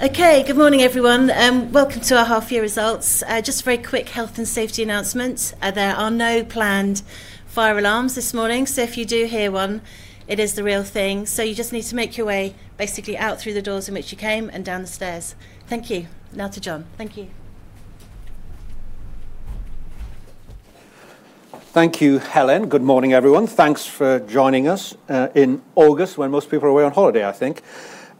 Okay, good morning, everyone, and welcome to our half-year results. Just a very quick health and safety announcement. There are no planned fire alarms this morning, so if you do hear one, it is the real thing. You just need to make your way basically out through the doors in which you came and down the stairs. Thank you. Now to John. Thank you. Thank you, Helen. Good morning, everyone. Thanks for joining us, in August, when most people are away on holiday, I think.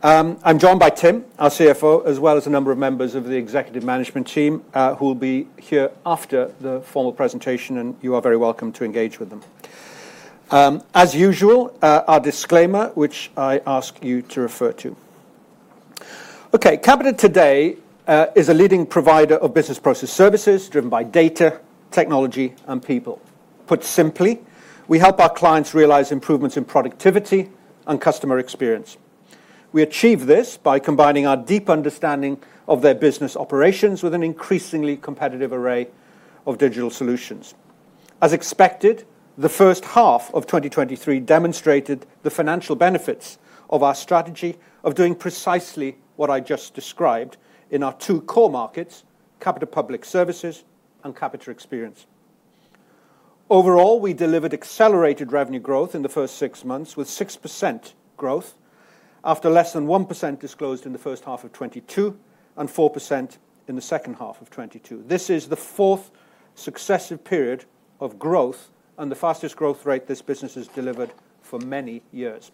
I'm joined by Tim, our CFO, as well as a number of members of the executive management team, who will be here after the formal presentation, and you are very welcome to engage with them. As usual, our disclaimer, which I ask you to refer to. Okay, Capita today, is a leading provider of business process services driven by data, technology, and people. Put simply, we help our clients realize improvements in productivity and customer experience. We achieve this by combining our deep understanding of their business operations with an increasingly competitive array of digital solutions. As expected, the first half of 2023 demonstrated the financial benefits of our strategy of doing precisely what I just described in our two core markets, Capita Public Services and Capita Experience. Overall, we delivered accelerated revenue growth in the first six months, with 6% growth, after less than 1% disclosed in the first half of 2022 and 4% in the second half of 2022. This is the fourth successive period of growth and the fastest growth rate this business has delivered for many years.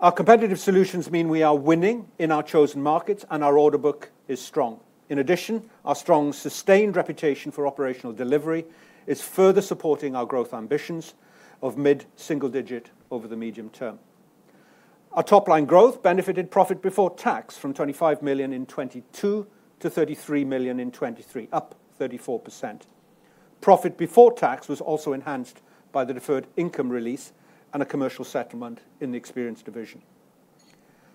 Our competitive solutions mean we are winning in our chosen markets, and our order book is strong. In addition, our strong, sustained reputation for operational delivery is further supporting our growth ambitions of mid-single digit over the medium term. Our top line growth benefited profit before tax from 25 million in 2022 to 33 million in 2023, up 34%. Profit before tax was also enhanced by the deferred income release and a commercial settlement in the Experience division.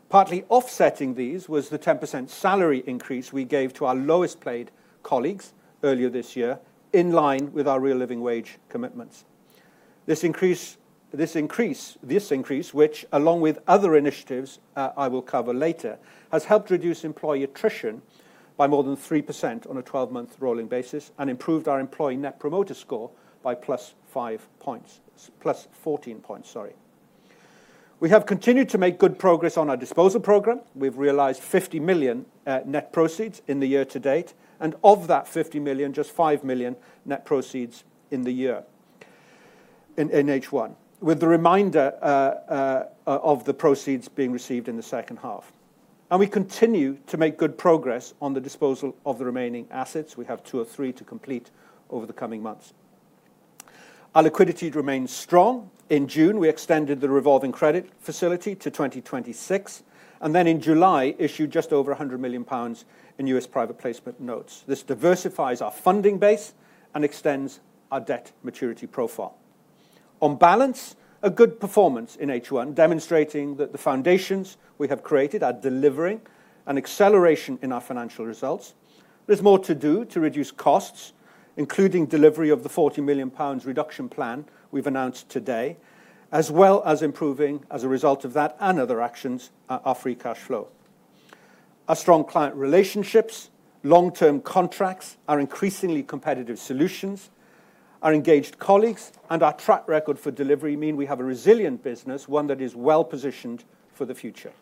Partly offsetting these was the 10% salary increase we gave to our lowest-paid colleagues earlier this year, in line with our Real Living Wage commitments. This increase, this increase, which along with other initiatives, I will cover later, has helped reduce employee attrition by more than 3% on a 12-month rolling basis and improved our employee Net Promoter Score by +5 points, +14 points, sorry. We have continued to make good progress on our disposal program. We've realized 50 million net proceeds in the year to date, and of that 50 million, just 5 million net proceeds in the year, in H1, with the remainder of the proceeds being received in the second half. We continue to make good progress on the disposal of the remaining assets. We have two or three to complete over the coming months. Our liquidity remains strong. In June, we extended the revolving credit facility to 2026. In July, issued just over 100 million pounds in U.S. private placement notes. This diversifies our funding base and extends our debt maturity profile. On balance, a good performance in H1, demonstrating that the foundations we have created are delivering an acceleration in our financial results. There's more to do to reduce costs, including delivery of the 40 million pounds reduction plan we've announced today, as well as improving, as a result of that and other actions, our free cash flow. Our strong client relationships, long-term contracts, our increasingly competitive solutions, our engaged colleagues, and our track record for delivery mean we have a resilient business, one that is well-positioned for the future.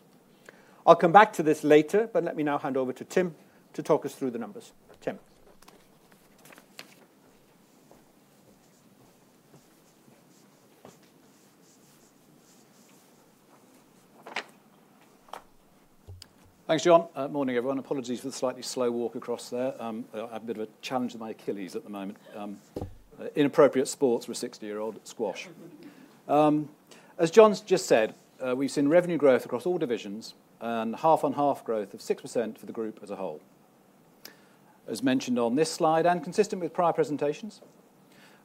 I'll come back to this later. Let me now hand over to Tim to talk us through the numbers. Tim? Thanks, John. Morning, everyone. Apologies for the slightly slow walk across there. I have a bit of a challenge with my Achilles at the moment. Inappropriate sports for a 60-year-old: squash. As John's just said, we've seen revenue growth across all divisions and half-on-half growth of 6% for the group as a whole. As mentioned on this slide, and consistent with prior presentations,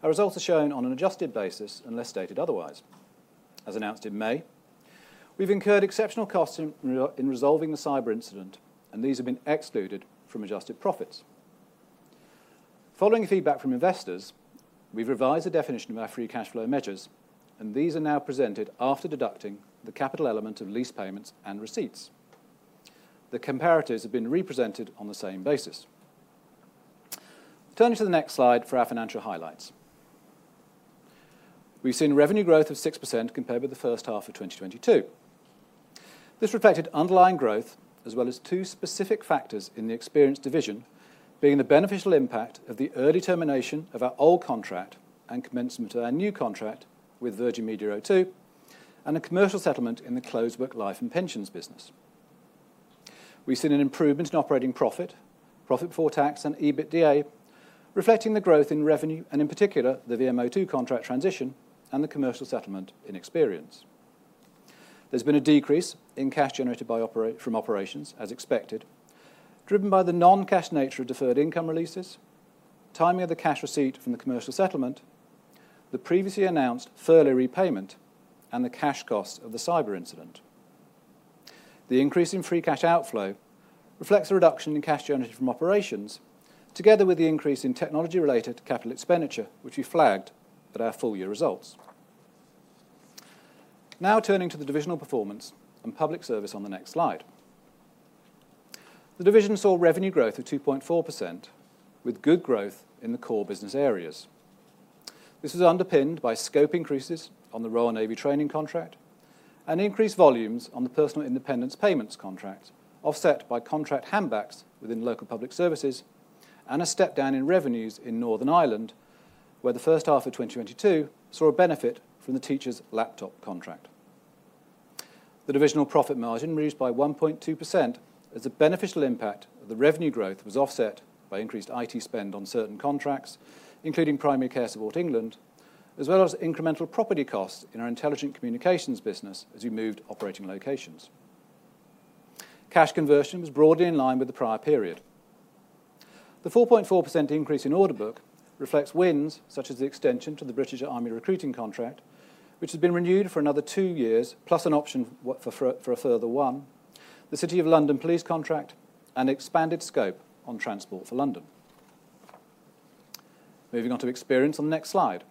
our results are shown on an adjusted basis, unless stated otherwise. As announced in May, we've incurred exceptional costs in resolving the cyber incident, and these have been excluded from adjusted profits. Following feedback from investors, we've revised the definition of our free cash flow measures, and these are now presented after deducting the capital element of lease payments and receipts. The comparatives have been represented on the same basis. Turning to the next slide for our financial highlights. We've seen revenue growth of 6% compared with the first half of 2022. This reflected underlying growth, as well as two specific factors in the Experience division, being the beneficial impact of the early termination of our old contract and commencement of our new contract with Virgin Media O2, and a commercial settlement in the closed book Life & Pensions business. We've seen an improvement in operating profit, profit before tax and EBITDA, reflecting the growth in revenue and in particular, the VMO2 contract transition and the commercial settlement in Experience. There's been a decrease in cash generated from operations, as expected, driven by the non-cash nature of deferred income releases, timing of the cash receipt from the commercial settlement, the previously announced Furlough repayment, and the cash costs of the cyber incident. The increase in free cash outflow. Reflects a reduction in cash generated from operations, together with the increase in technology-related capital expenditure, which we flagged at our full year results. Turning to the divisional performance and Public Service on the next slide. The division saw revenue growth of 2.4%, with good growth in the core business areas. This is underpinned by scope increases on the Royal Navy training contract and increased volumes on the Personal Independence Payments contract, offset by contract handbacks within Local Public Services, and a step down in revenues in Northern Ireland, where the first half of 2022 saw a benefit from the teachers' laptop contract. The divisional profit margin raised by 1.2% as a beneficial impact of the revenue growth was offset by increased IT spend on certain contracts, including Primary Care Support England, as well as incremental property costs in our Intelligent Communications business as we moved operating locations. Cash conversion was broadly in line with the prior period. The 4.4% increase in order book reflects wins, such as the extension to the British Army recruiting contract, which has been renewed for another 2 years, plus an option for a further 1, the City of London Police contract, and expanded scope on Transport for London. Moving on to experience on the next slide.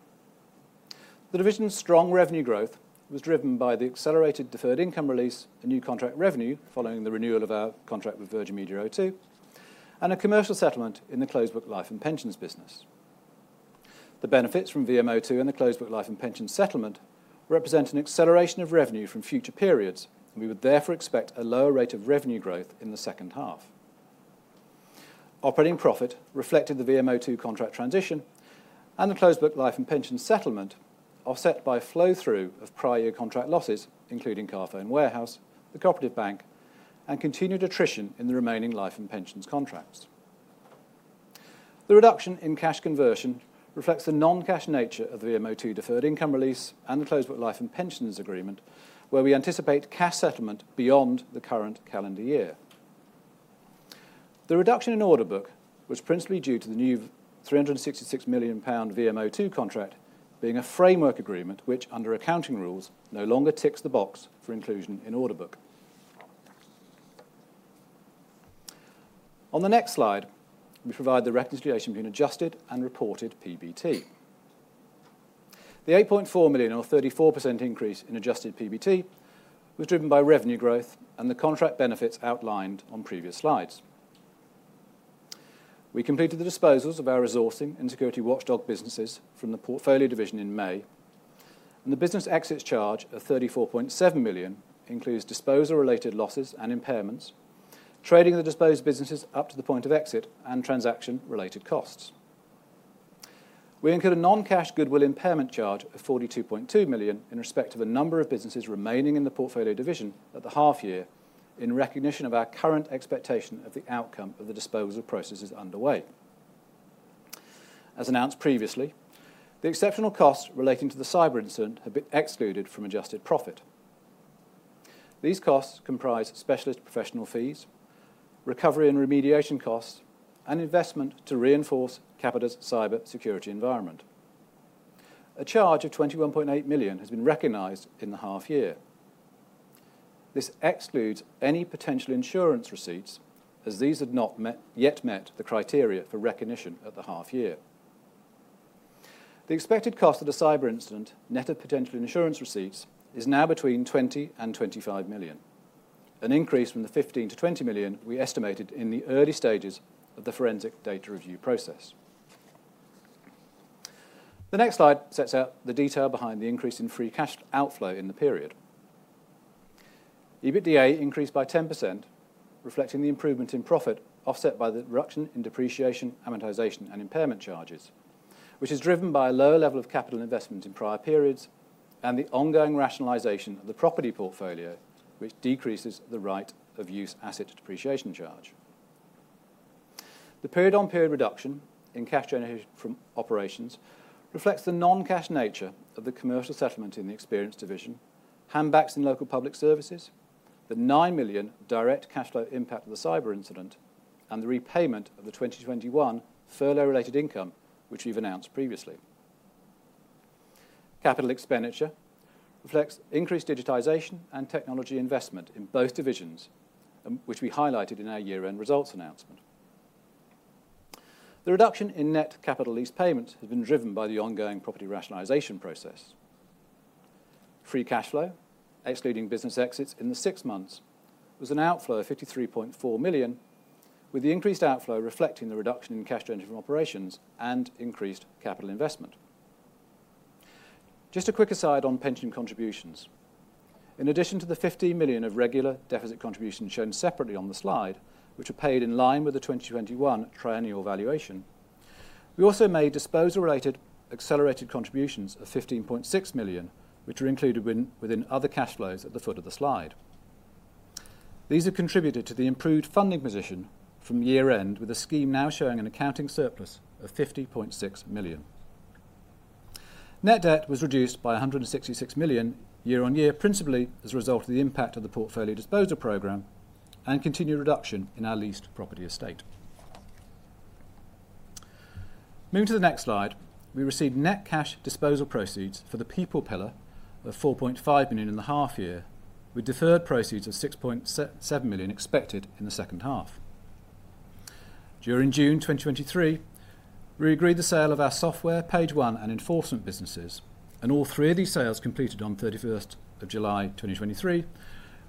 The division's strong revenue growth was driven by the accelerated deferred income release and new contract revenue following the renewal of our contract with Virgin Media O2, and a commercial settlement in the closed book Life & Pensions business. The benefits from VMO2 and the closed book Life & Pensions settlement represent an acceleration of revenue from future periods, and we would therefore expect a lower rate of revenue growth in the second half. Operating profit reflected the VMO2 contract transition and the closed book Life & Pensions settlement, offset by flow-through of prior year contract losses, including Carphone Warehouse, The Co-operative Bank, and continued attrition in the remaining life and pensions contracts. The reduction in cash conversion reflects the non-cash nature of the VMO2 deferred income release and the closed book Life & Pensions agreement, where we anticipate cash settlement beyond the current calendar year. The reduction in order book was principally due to the new 366 million pound VMO2 contract being a framework agreement, which, under accounting rules, no longer ticks the box for inclusion in order book. On the next slide, we provide the reconciliation between adjusted and reported PBT. The 8.4 million or 34% increase in adjusted PBT was driven by revenue growth and the contract benefits outlined on previous slides. We completed the disposals of our resourcing and Security Watchdog businesses from the portfolio division in May, and the business exits charge of 34.7 million includes disposal-related losses and impairments, trading the disposed businesses up to the point of exit, and transaction-related costs. We include a non-cash goodwill impairment charge of 42.2 million in respect of a number of businesses remaining in the portfolio division at the half year, in recognition of our current expectation of the outcome of the disposal processes underway. As announced previously, the exceptional costs relating to the cyber incident have been excluded from adjusted profit. These costs comprise specialist professional fees, recovery and remediation costs, and investment to reinforce Capita's cyber security environment. A charge of 21.8 million has been recognized in the half year. This excludes any potential insurance receipts, as these had yet met the criteria for recognition at the half year. The expected cost of the cyber incident, net of potential insurance receipts, is now between 20 million and 25 million, an increase from the 15 million-20 million we estimated in the early stages of the forensic data review process. The next slide sets out the detail behind the increase in free cash outflow in the period. EBITDA increased by 10%, reflecting the improvement in profit, offset by the reduction in depreciation, amortization, and impairment charges, which is driven by a lower level of capital investment in prior periods and the ongoing rationalization of the property portfolio, which decreases the right-of-use asset depreciation charge. The period-on-period reduction in cash generated from operations reflects the non-cash nature of the commercial settlement in the Experience division, handbacks in Local Public Services, the 9 million direct cash flow impact of the cyber incident, and the repayment of the 2021 furlough-related income, which we've announced previously. Capital expenditure reflects increased digitization and technology investment in both divisions, which we highlighted in our year-end results announcement. The reduction in net capital lease payments has been driven by the ongoing property rationalization process. Free cash flow, excluding business exits in the six months, was an outflow of 53.4 million, with the increased outflow reflecting the reduction in cash generated from operations and increased capital investment. Just a quick aside on pension contributions. In addition to the 50 million of regular deficit contributions shown separately on the slide, which are paid in line with the 2021 triennial valuation, we also made disposal-related accelerated contributions of 15.6 million, which are included within other cash flows at the foot of the slide. These have contributed to the improved funding position from year-end, with the scheme now showing an accounting surplus of 50.6 million. Net debt was reduced by 166 million year-on-year, principally as a result of the impact of the portfolio disposal program and continued reduction in our leased property estate. Moving to the next slide, we received net cash disposal proceeds for the People pillar of 4.5 million in the half year, with deferred proceeds of 6.7 million expected in the second half. During June 2023, we agreed the sale of our software, PageOne, and enforcement businesses. All three of these sales completed on 31st of July, 2023,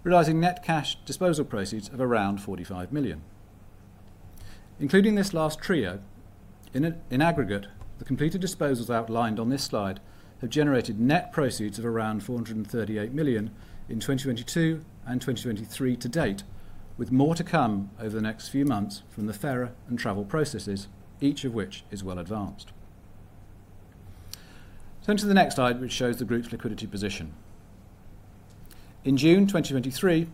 realizing net cash disposal proceeds of around 45 million. Including this last trio, in aggregate, the completed disposals outlined on this slide have generated net proceeds of around 438 million in 2022 and 2023 to date, with more to come over the next few months from the FERA and travel processes, each of which is well advanced. Turning to the next slide, which shows the group's liquidity position. In June 2023,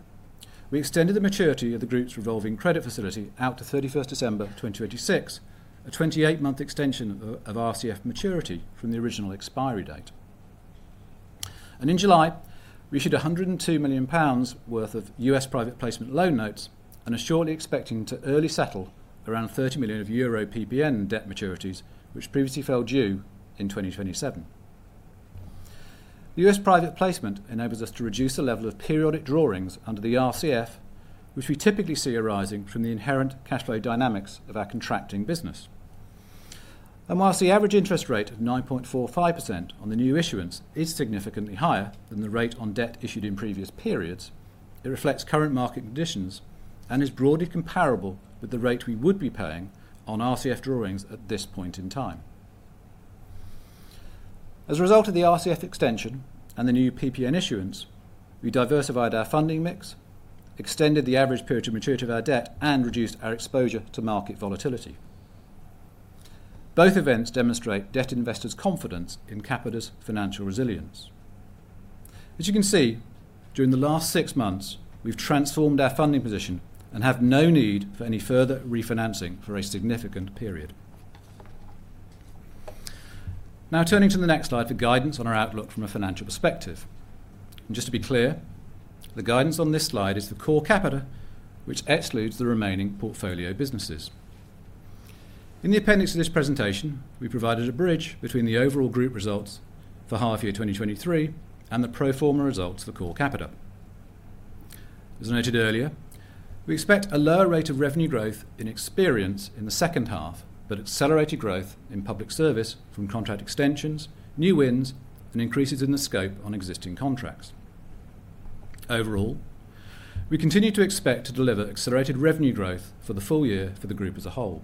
we extended the maturity of the group's revolving credit facility out to 31st December, 2026, a 28-month extension of RCF maturity from the original expiry date. In July, we issued 102 million pounds worth of US private placement loan notes, and are shortly expecting to early settle around 30 million euro of PPN debt maturities, which previously fell due in 2027. The US private placement enables us to reduce the level of periodic drawings under the RCF, which we typically see arising from the inherent cash flow dynamics of our contracting business. Whilst the average interest rate of 9.45% on the new issuance is significantly higher than the rate on debt issued in previous periods, it reflects current market conditions and is broadly comparable with the rate we would be paying on RCF drawings at this point in time. As a result of the RCF extension and the new PPN issuance, we diversified our funding mix, extended the average period of maturity of our debt, and reduced our exposure to market volatility. Both events demonstrate debt investors' confidence in Capita's financial resilience. As you can see, during the last 6 months, we've transformed our funding position and have no need for any further refinancing for a significant period. Turning to the next slide for guidance on our outlook from a financial perspective. Just to be clear, the guidance on this slide is the core Capita, which excludes the remaining portfolio businesses. In the appendix of this presentation, we provided a bridge between the overall group results for half year 2023 and the pro forma results for core Capita. As noted earlier, we expect a lower rate of revenue growth in Experience in the second half, but accelerated growth in Public Service from contract extensions, new wins, and increases in the scope on existing contracts. Overall, we continue to expect to deliver accelerated revenue growth for the full year for the group as a whole.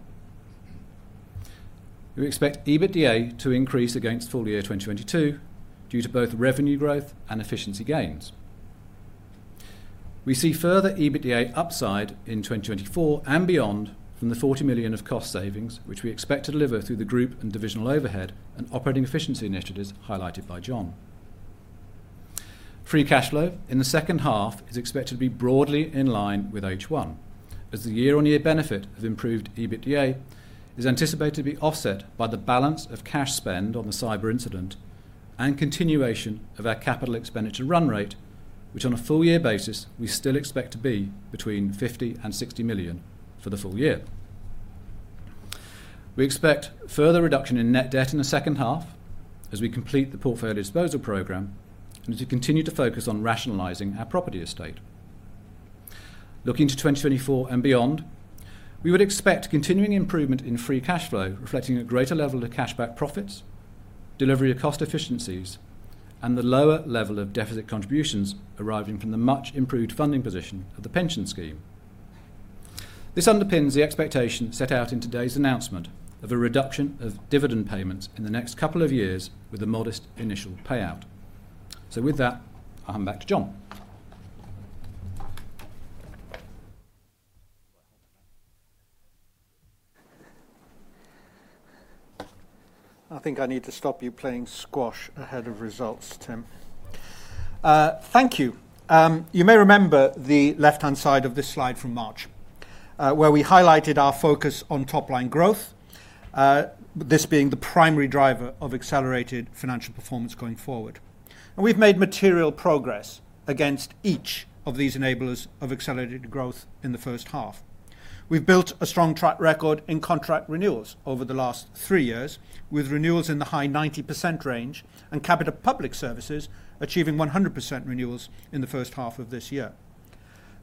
We expect EBITDA to increase against full year 2022 due to both revenue growth and efficiency gains. We see further EBITDA upside in 2024 and beyond from the 40 million of cost savings, which we expect to deliver through the group and divisional overhead and operating efficiency initiatives highlighted by John. Free cash flow in the second half is expected to be broadly in line with H1, as the year-on-year benefit of improved EBITDA is anticipated to be offset by the balance of cash spend on the cyber incident and continuation of our CapEx run rate, which on a full year basis, we still expect to be between 50 million and 60 million for the full year. We expect further reduction in net debt in the second half as we complete the portfolio disposal program and to continue to focus on rationalizing our property estate. Looking to 2024 and beyond, we would expect continuing improvement in free cash flow, reflecting a greater level of cash back profits, delivery of cost efficiencies, and the lower level of deficit contributions arriving from the much-improved funding position of the pension scheme. This underpins the expectation set out in today's announcement of a reduction of dividend payments in the next couple of years with a modest initial payout. With that, I'll hand back to John. I think I need to stop you playing squash ahead of results, Tim. Thank you. You may remember the left-hand side of this slide from March, where we highlighted our focus on top-line growth, this being the primary driver of accelerated financial performance going forward. We've made material progress against each of these enablers of accelerated growth in the first half. We've built a strong track record in contract renewals over the last three years, with renewals in the high 90% range and Capita Public Services achieving 100% renewals in the first half of this year.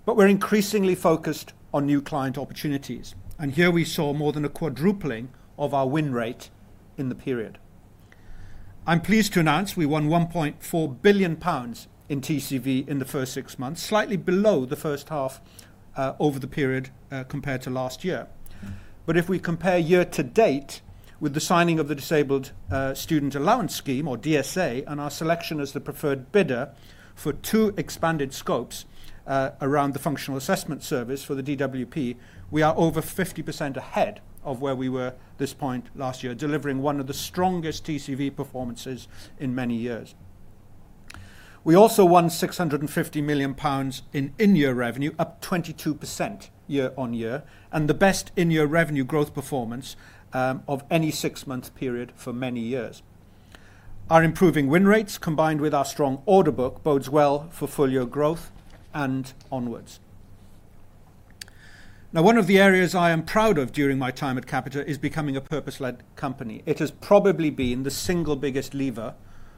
We're increasingly focused on new client opportunities, and here we saw more than a quadrupling of our win rate in the period. I'm pleased to announce we won 1.4 billion pounds in TCV in the first six months, slightly below the first half over the period compared to last year. If we compare year to date with the signing of theDisabled Students' Allowance scheme, or DSA, and our selection as the preferred bidder for two expanded scopes around the Functional Assessment Service for the DWP, we are over 50% ahead of where we were this point last year, delivering one of the strongest TCV performances in many years. We also won 650 million pounds in in-year revenue, up 22% year-on-year, and the best in-year revenue growth performance of any six-month period for many years. Our improving win rates, combined with our strong order book, bodes well for full year growth and onwards. Now, one of the areas I am proud of during my time at Capita is becoming a purpose-led company. It has probably been the single biggest lever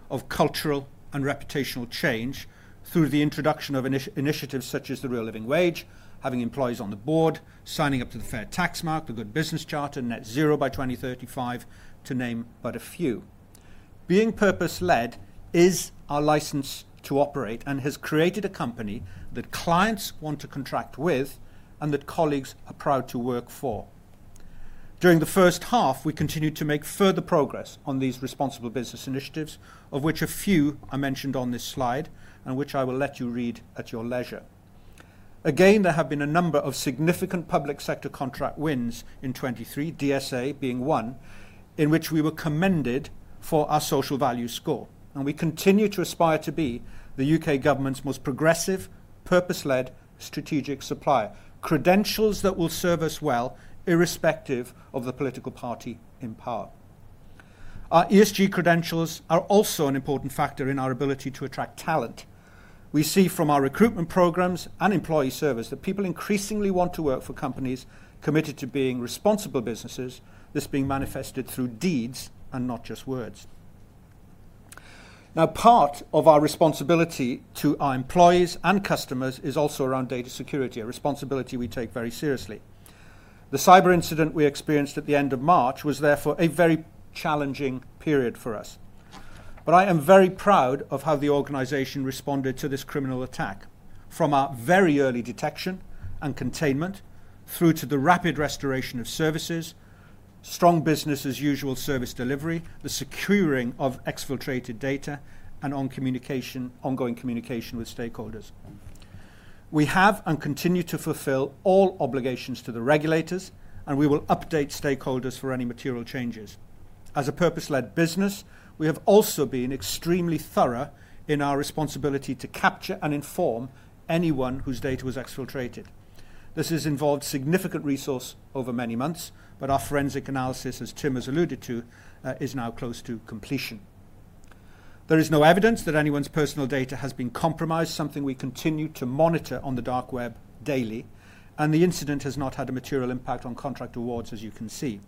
of cultural and reputational change through the introduction of initiatives such as the real Living Wage, having employees on the board, signing up to the Fair Tax Mark, the Good Business Charter, Net Zero by 2035, to name but a few. Being purpose-led is our license to operate and has created a company that clients want to contract with and that colleagues are proud to work for. During the first half, we continued to make further progress on these responsible business initiatives, of which a few are mentioned on this slide, and which I will let you read at your leisure. There have been a number of significant public sector contract wins in 2023, DSA being one, in which we were commended for our social value score, and we continue to aspire to be the U.K. government's most progressive, purpose-led strategic supplier. Credentials that will serve us well, irrespective of the political party in power. Our ESG credentials are also an important factor in our ability to attract talent. We see from our recruitment programs and employee surveys that people increasingly want to work for companies committed to being responsible businesses, this being manifested through deeds and not just words. Now, part of our responsibility to our employees and customers is also around data security, a responsibility we take very seriously. The cyber incident we experienced at the end of March was therefore a very challenging period for us. I am very proud of how the organization responded to this criminal attack, from our very early detection and containment, through to the rapid restoration of services, strong business-as-usual service delivery, the securing of exfiltrated data, ongoing communication with stakeholders. We have and continue to fulfill all obligations to the regulators. We will update stakeholders for any material changes. As a purpose-led business, we have also been extremely thorough in our responsibility to capture and inform anyone whose data was exfiltrated. This has involved significant resource over many months. Our forensic analysis, as Tim has alluded to, is now close to completion. There is no evidence that anyone's personal data has been compromised, something we continue to monitor on the dark web daily. The incident has not had a material impact on contract awards, as you can see.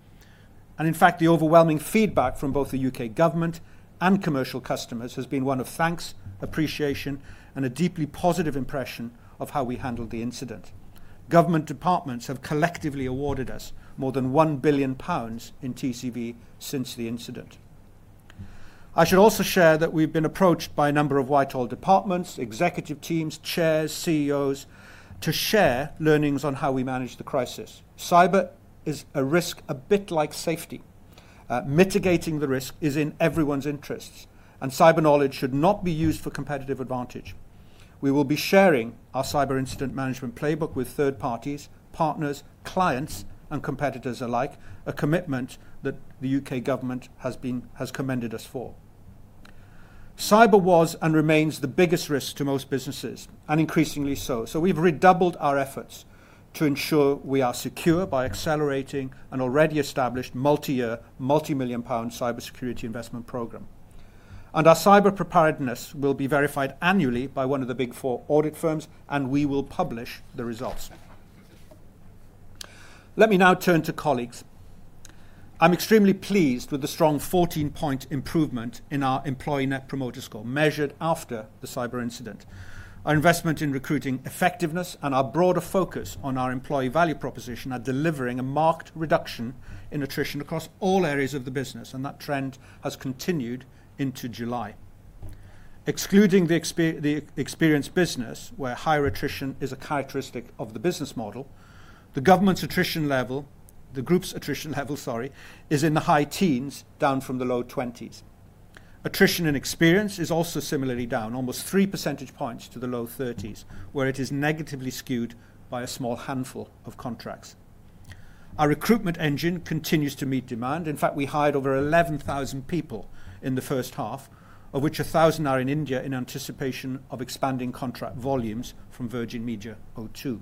In fact, the overwhelming feedback from both the U.K. government and commercial customers has been one of thanks, appreciation, and a deeply positive impression of how we handled the incident. Government departments have collectively awarded us more than 1 billion pounds in TCV since the incident. I should also share that we've been approached by a number of Whitehall departments, executive teams, chairs, CEOs, to share learnings on how we managed the crisis. Cyber is a risk, a bit like safety. Mitigating the risk is in everyone's interests, and cyber knowledge should not be used for competitive advantage. We will be sharing our cyber incident management playbook with third parties, partners, clients, and competitors alike, a commitment that the U.K. government has commended us for. Cyber was and remains the biggest risk to most businesses, and increasingly so. We've redoubled our efforts to ensure we are secure by accelerating an already established multi-year, multi-million-GBP cybersecurity investment program. Our cyber preparedness will be verified annually by one of the Big Four audit firms, and we will publish the results. Let me now turn to colleagues. I'm extremely pleased with the strong 14-point improvement in our employee Net Promoter Score, measured after the cyber incident. Our investment in recruiting effectiveness and our broader focus on our employee value proposition are delivering a marked reduction in attrition across all areas of the business, and that trend has continued into July. Excluding the experience business, where higher attrition is a characteristic of the business model, the group's attrition level, sorry, is in the high teens, down from the low 20s. Attrition and experience is also similarly down, almost 3 percentage points to the low thirties, where it is negatively skewed by a small handful of contracts. Our recruitment engine continues to meet demand. In fact, we hired over 11,000 people in the first half, of which 1,000 are in India in anticipation of expanding contract volumes from Virgin Media O2.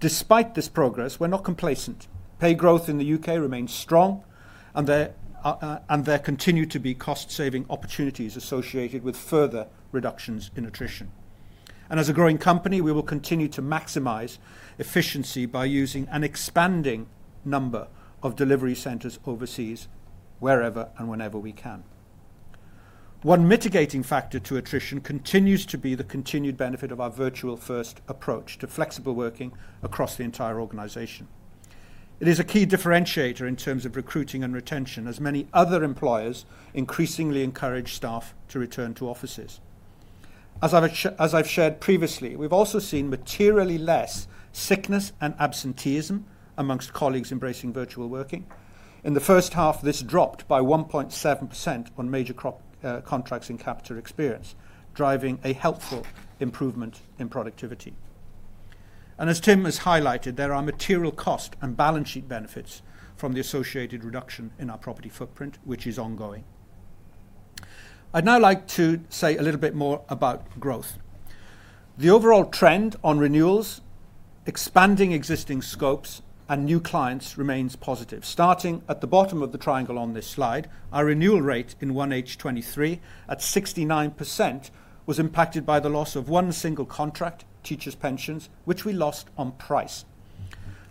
Despite this progress, we're not complacent. Pay growth in the UK remains strong, and there continue to be cost-saving opportunities associated with further reductions in attrition. As a growing company, we will continue to maximize efficiency by using an expanding number of delivery centers overseas wherever and whenever we can. One mitigating factor to attrition continues to be the continued benefit of our virtual-first approach to flexible working across the entire organization. It is a key differentiator in terms of recruiting and retention, as many other employers increasingly encourage staff to return to offices. As I've shared previously, we've also seen materially less sickness and absenteeism amongst colleagues embracing virtual working. In the first half, this dropped by 1.7% on major crop contracts in Capita Experience, driving a helpful improvement in productivity. As Tim has highlighted, there are material cost and balance sheet benefits from the associated reduction in our property footprint, which is ongoing. I'd now like to say a little bit more about growth. The overall trend on renewals, expanding existing scopes, and new clients remains positive. Starting at the bottom of the triangle on this slide, our renewal rate in 1H 2023, at 69%, was impacted by the loss of one single contract, Teachers' Pensions, which we lost on price.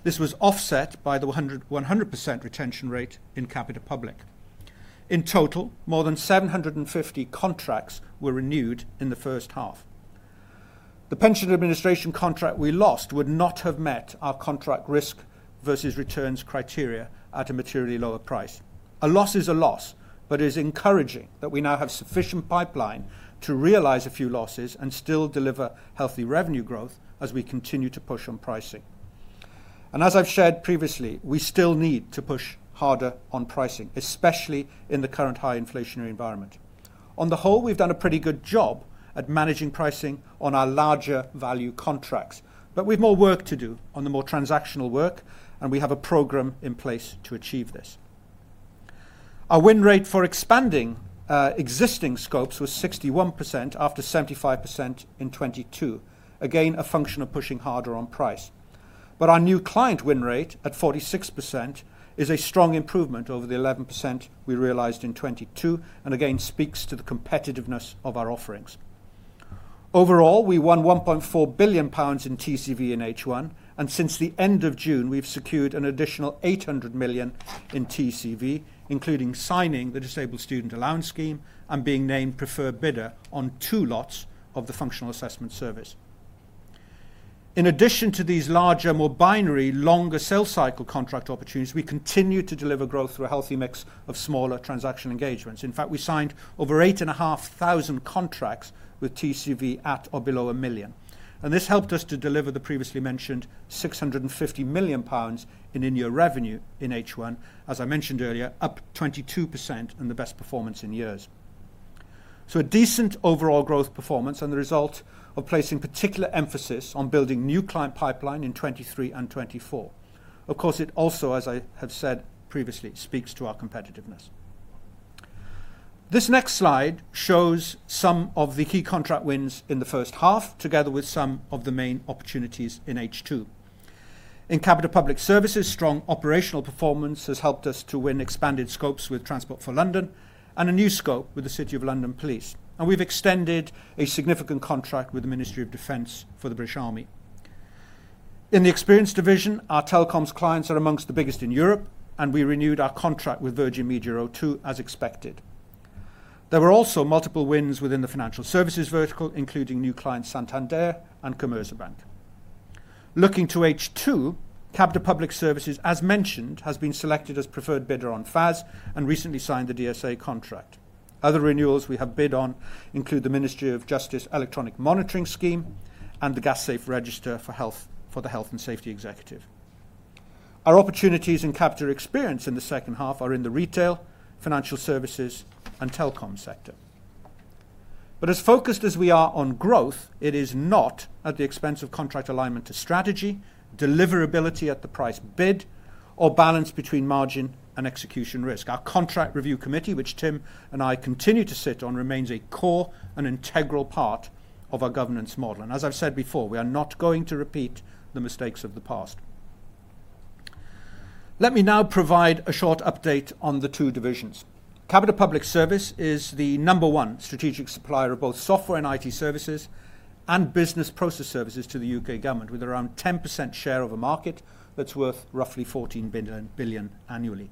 This was offset by the 100% retention rate in Capita Public. In total, more than 750 contracts were renewed in the first half. The pension administration contract we lost would not have met our contract risk versus returns criteria at a materially lower price. A loss is a loss, it is encouraging that we now have sufficient pipeline to realize a few losses and still deliver healthy revenue growth as we continue to push on pricing. As I've shared previously, we still need to push harder on pricing, especially in the current high inflationary environment. On the whole, we've done a pretty good job at managing pricing on our larger value contracts, but we've more work to do on the more transactional work, and we have a program in place to achieve this. Our win rate for expanding existing scopes was 61%, after 75% in 2022. Again, a function of pushing harder on price. Our new client win rate at 46% is a strong improvement over the 11% we realized in 2022, and again, speaks to the competitiveness of our offerings. Overall, we won 1.4 billion pounds in TCV in H1, and since the end of June, we've secured an additional 800 million in TCV, including signing the Disabled Students' Allowance scheme and being named preferred bidder on 2 lots of the Functional Assessment Service. In addition to these larger, more binary, longer sales cycle contract opportunities, we continue to deliver growth through a healthy mix of smaller transaction engagements. In fact, we signed over 8,500 contracts with TCV at or below 1 million, and this helped us to deliver the previously mentioned 650 million pounds in in-year revenue in H1, as I mentioned earlier, up 22% and the best performance in years. A decent overall growth performance and the result of placing particular emphasis on building new client pipeline in 2023 and 2024. Of course, it also, as I have said previously, speaks to our competitiveness. This next slide shows some of the key contract wins in the first half, together with some of the main opportunities in H2. In Capita Public Services, strong operational performance has helped us to win expanded scopes with Transport for London and a new scope with the City of London Police. We've extended a significant contract with the Ministry of Defence for the British Army. In the Experience division, our telecoms clients are amongst the biggest in Europe. We renewed our contract with Virgin Media O2 as expected. There were also multiple wins within the financial services vertical, including new clients Santander and Commerzbank. Looking to H2, Capita Public Services, as mentioned, has been selected as preferred bidder on FAS and recently signed the DSA contract. Other renewals we have bid on include the Ministry of Justice Electronic Monitoring Scheme and the Gas Safe Register for the Health and Safety Executive. Our opportunities in Capita Experience in the second half are in the retail, financial services, and telecom sector. As focused as we are on growth, it is not at the expense of contract alignment to strategy, deliverability at the price bid, or balance between margin and execution risk. Our Contract Review Committee, which Tim and I continue to sit on, remains a core and integral part of our governance model. As I've said before, we are not going to repeat the mistakes of the past. Let me now provide a short update on the two divisions. Capita Public Service is the number one strategic supplier of both software and IT services and business process services to the UK government, with around 10% share of a market that's worth roughly 14 billion billion annually.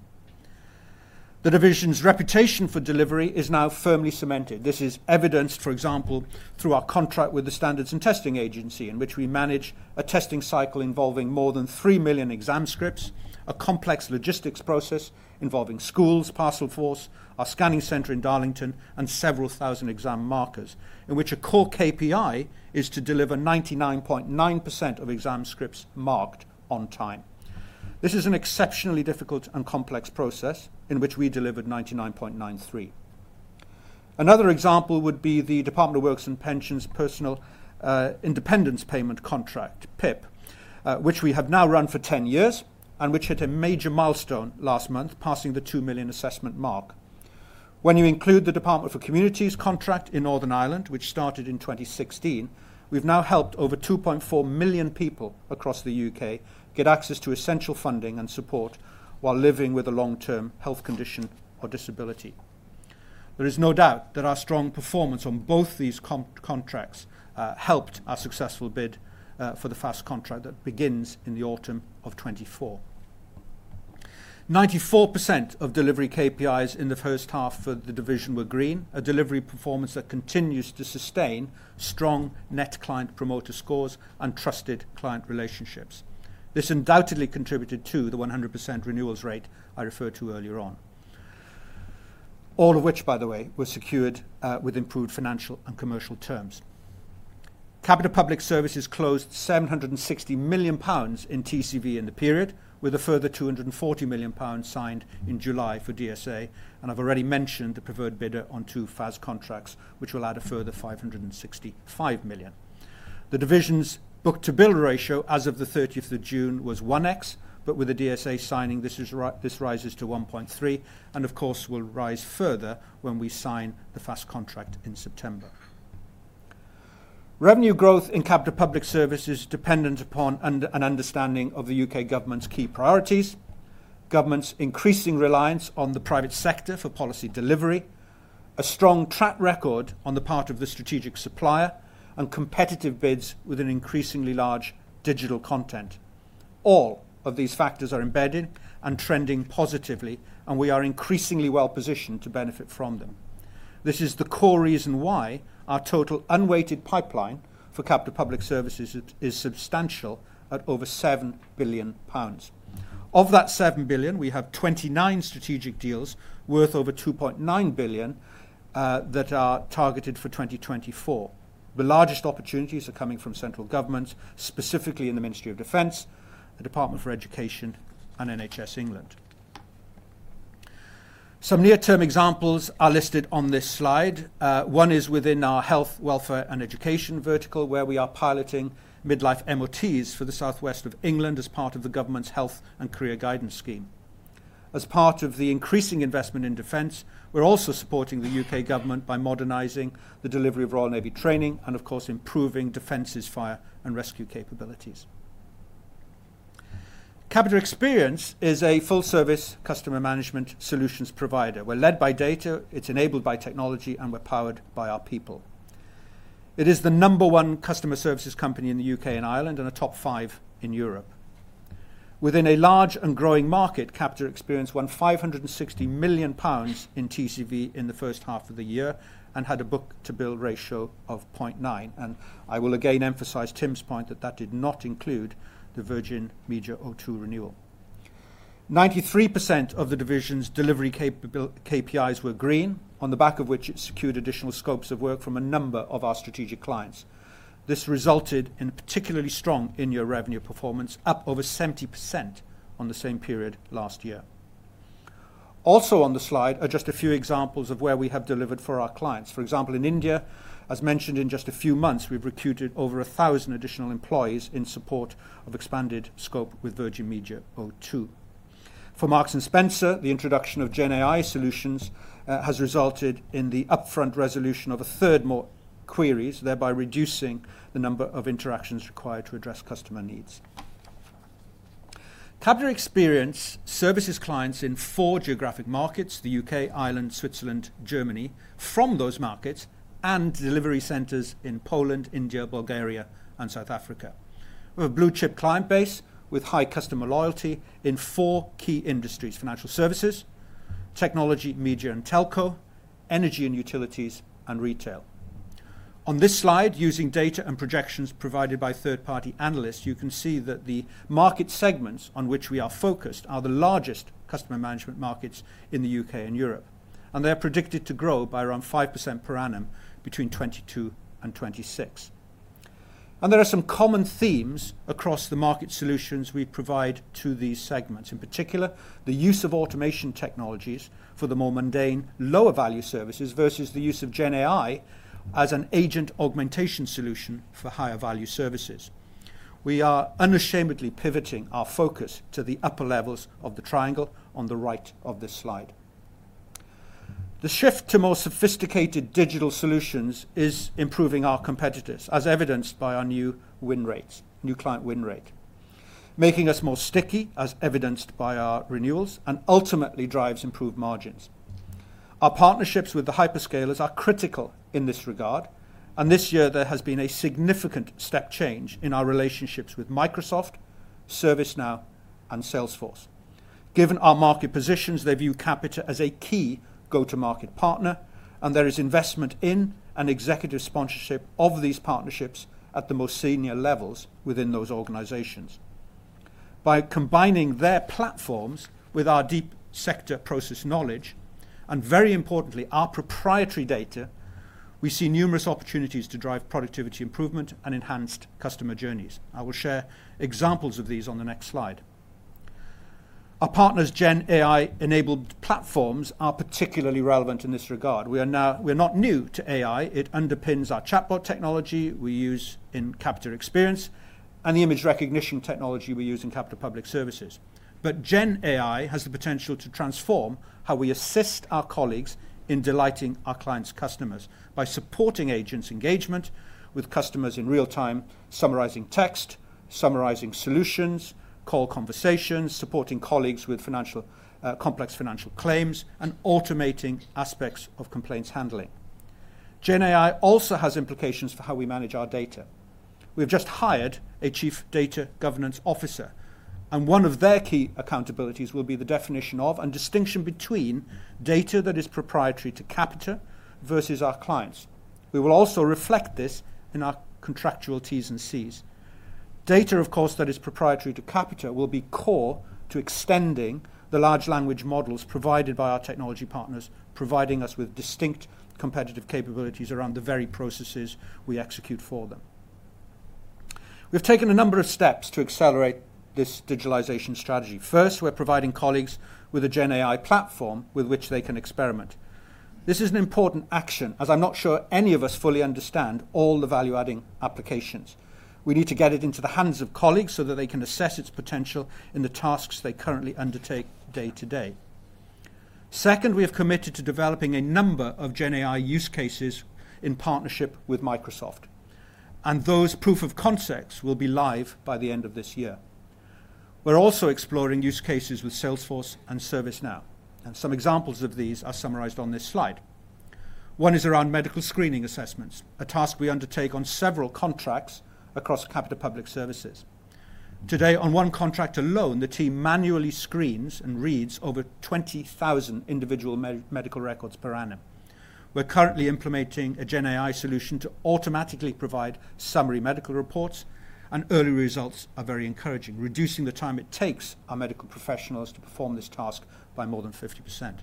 The division's reputation for delivery is now firmly cemented. This is evidenced, for example, through our contract with the Standards and Testing Agency, in which we manage a testing cycle involving more than 3 million exam scripts, a complex logistics process involving schools, Parcelforce, our scanning center in Darlington, and several thousand exam markers, in which a core KPI is to deliver 99.9% of exam scripts marked on time. This is an exceptionally difficult and complex process in which we delivered 99.93%. Another example would be the Department for Work and Pensions Personal Independence Payment contract, PIP, which we have now run for 10 years and which hit a major milestone last month, passing the 2 million assessment mark. When you include the Department for Communities contract in Northern Ireland, which started in 2016, we've now helped over 2.4 million people across the UK get access to essential funding and support while living with a long-term health condition or disability. There is no doubt that our strong performance on both these contracts helped our successful bid for theFAS contract that begins in the autumn of 2024. 94% of delivery KPIs in the first half for the division were green, a delivery performance that continues to sustain strong Net Promoter Scores and trusted client relationships. This undoubtedly contributed to the 100% renewals rate I referred to earlier on. All of which, by the way, were secured with improved financial and commercial terms. Capita Public Services closed 760 million pounds in TCV in the period, with a further 240 million pounds signed in July for DSA. I've already mentioned the preferred bidder on two FAS contracts, which will add a further 565 million. The division's book-to-bill ratio as of the 30th of June was 1x. With the DSA signing, this rises to 1.3. Of course, will rise further when we sign theFAS contract in September. Revenue growth in Capita Public Services dependent upon an understanding of the UK government's key priorities, government's increasing reliance on the private sector for policy delivery, a strong track record on the part of the strategic supplier, and competitive bids with an increasingly large digital content. All of these factors are embedded and trending positively, and we are increasingly well-positioned to benefit from them. This is the core reason why our total unweighted pipeline for Capita Public Services is substantial at over 7 billion pounds. Of that 7 billion, we have 29 strategic deals worth over 2.9 billion that are targeted for 2024. The largest opportunities are coming from central government, specifically in the Ministry of Defence, the Department for Education, and NHS England. Some near-term examples are listed on this slide. One is within our health, welfare, and education vertical, where we are piloting midlife MOTs for the southwest of England as part of the government's health and career guidance scheme. As part of the increasing investment in Defence, we're also supporting the UK government by modernizing the delivery of Royal Navy training and, of course, improving Defence's fire and rescue capabilities. Capita Experience is a full-service customer management solutions provider. We're led by data, it's enabled by technology, and we're powered by our people. It is the number one customer services company in the UK and Ireland, and a top five in Europe. Within a large and growing market, Capita Experience won 560 million pounds in TCV in the first half of the year and had a book-to-bill ratio of 0.9, and I will again emphasize Tim's point that that did not include the Virgin Media O2 renewal. 93% of the division's delivery KPIs were green, on the back of which it secured additional scopes of work from a number of our strategic clients. This resulted in particularly strong in-year revenue performance, up over 70% on the same period last year. Also on the slide are just a few examples of where we have delivered for our clients. For example, in India, as mentioned, in just a few months, we've recruited over 1,000 additional employees in support of expanded scope with Virgin Media O2. For Marks & Spencer, the introduction of Gen AI solutions, has resulted in the upfront resolution of a third more queries, thereby reducing the number of interactions required to address customer needs. Capita Experience services clients in four geographic markets: the UK, Ireland, Switzerland, Germany, from those markets and delivery centers in Poland, India, Bulgaria, and South Africa. We have a blue-chip client base with high customer loyalty in four key industries: financial services, technology, media, and telco, energy and utilities, and retail. On this slide, using data and projections provided by third-party analysts, you can see that the market segments on which we are focused are the largest customer management markets in the UK and Europe, They are predicted to grow by around 5% per annum between 2022 and 2026. There are some common themes across the market solutions we provide to these segments. In particular, the use of automation technologies for the more mundane, lower-value services versus the use of Gen AI as an agent augmentation solution for higher-value services. We are unashamedly pivoting our focus to the upper levels of the triangle on the right of this slide. The shift to more sophisticated digital solutions is improving our competitors, as evidenced by our new win rates, new client win rate, making us more sticky, as evidenced by our renewals, and ultimately drives improved margins. Our partnerships with the hyperscalers are critical in this regard, and this year there has been a significant step change in our relationships with Microsoft, ServiceNow, and Salesforce. Given our market positions, they view Capita as a key go-to-market partner, and there is investment in and executive sponsorship of these partnerships at the most senior levels within those organizations. By combining their platforms with our deep sector process knowledge, and very importantly, our proprietary data, we see numerous opportunities to drive productivity improvement and enhanced customer journeys. I will share examples of these on the next slide. Our partners' Gen AI-enabled platforms are particularly relevant in this regard. We're not new to AI. It underpins our chatbot technology we use in Capita Experience and the image recognition technology we use in Capita Public Services. Gen AI has the potential to transform how we assist our colleagues in delighting our clients' customers by supporting agents' engagement with customers in real time, summarizing text, summarizing solutions, call conversations, supporting colleagues with financial-- complex financial claims, and automating aspects of complaints handling. Gen AI also has implications for how we manage our data. We have just hired a chief data governance officer, and one of their key accountabilities will be the definition of and distinction between data that is proprietary to Capita versus our clients. We will also reflect this in our contractual T's and C's. Data, of course, that is proprietary to Capita will be core to extending the large language models provided by our technology partners, providing us with distinct competitive capabilities around the very processes we execute for them. We've taken a number of steps to accelerate this digitalization strategy. First, we're providing colleagues with a Gen AI platform with which they can experiment. This is an important action, as I'm not sure any of us fully understand all the value-adding applications. We need to get it into the hands of colleagues so that they can assess its potential in the tasks they currently undertake day to day. Second, we have committed to developing a number of Gen AI use cases in partnership with Microsoft, and those proof of concepts will be live by the end of this year. We're also exploring use cases with Salesforce and ServiceNow, and some examples of these are summarized on this slide. One is around medical screening assessments, a task we undertake on several contracts across Capita Public Services. Today, on one contract alone, the team manually screens and reads over 20,000 individual medical records per annum. We're currently implementing a Gen AI solution to automatically provide summary medical reports, and early results are very encouraging, reducing the time it takes our medical professionals to perform this task by more than 50%.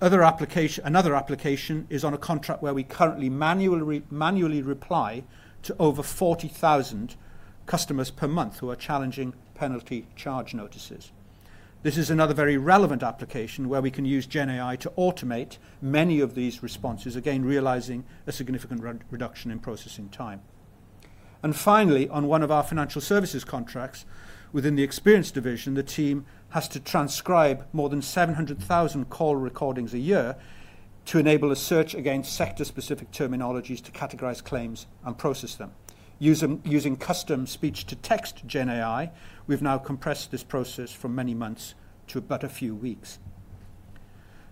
Another application is on a contract where we currently manually reply to over 40,000 customers per month who are challenging penalty charge notices. This is another very relevant application where we can use Gen AI to automate many of these responses, again, realizing a significant reduction in processing time. Finally, on one of our financial services contracts within the Experience division, the team has to transcribe more than 700,000 call recordings a year to enable a search against sector-specific terminologies to categorize claims and process them. Using custom speech-to-text Gen AI, we've now compressed this process from many months to but a few weeks.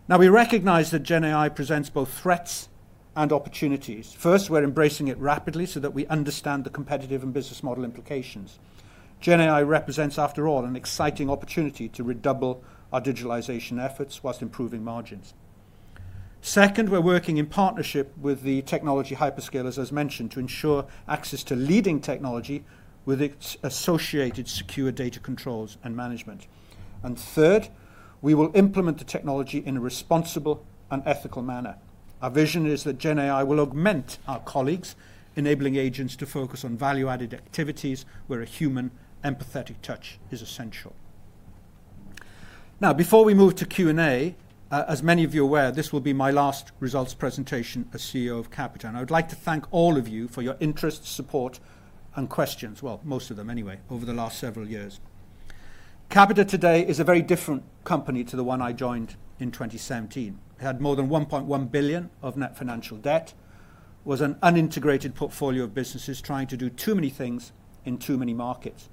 We recognize that Gen AI presents both threats and opportunities. First, we're embracing it rapidly so that we understand the competitive and business model implications. Gen AI represents, after all, an exciting opportunity to redouble our digitalization efforts whilst improving margins. Second, we're working in partnership with the technology hyperscalers, as mentioned, to ensure access to leading technology with its associated secure data controls and management. Third, we will implement the technology in a responsible and ethical manner. Our vision is that Gen AI will augment our colleagues, enabling agents to focus on value-added activities where a human, empathetic touch is essential. Now, before we move to Q&A, as many of you are aware, this will be my last results presentation as CEO of Capita. I would like to thank all of you for your interest, support, and questions, well, most of them anyway, over the last several years. Capita today is a very different company to the one I joined in 2017. It had more than 1.1 billion of net financial debt, was an unintegrated portfolio of businesses trying to do too many things in too many markets,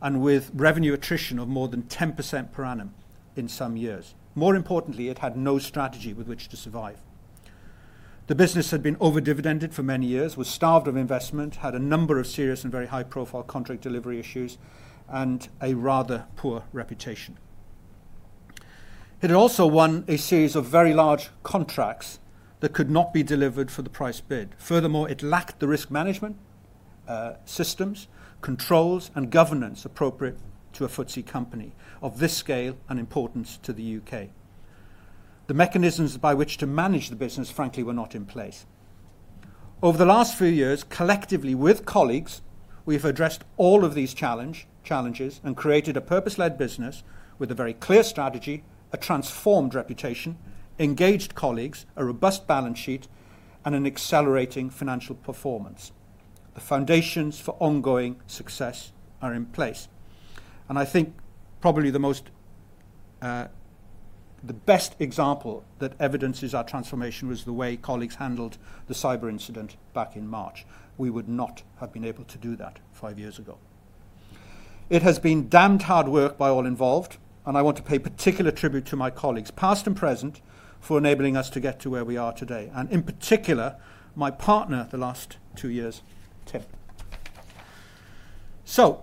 and with revenue attrition of more than 10% per annum in some years. More importantly, it had no strategy with which to survive. The business had been over-dividended for many years, was starved of investment, had a number of serious and very high-profile contract delivery issues, and a rather poor reputation. It had also won a series of very large contracts that could not be delivered for the price bid. Furthermore, it lacked the risk management, systems, controls, and governance appropriate to a FTSE company of this scale and importance to the UK. The mechanisms by which to manage the business, frankly, were not in place. Over the last few years, collectively, with colleagues, we've addressed all of these challenges and created a purpose-led business with a very clear strategy, a transformed reputation, engaged colleagues, a robust balance sheet, and an accelerating financial performance. The foundations for ongoing success are in place, and I think probably the most, the best example that evidences our transformation was the way colleagues handled the cyber incident back in March. We would not have been able to do that 5 years ago. It has been damned hard work by all involved, and I want to pay particular tribute to my colleagues, past and present, for enabling us to get to where we are today, and in particular, my partner the last 2 years, Tim.